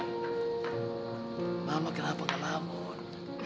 mama mama kenapa kelamun